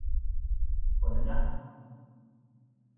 ผลธัญญะ